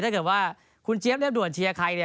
ถ้าเกิดว่าคุณเจี๊ยบด่วนเชียร์ใคร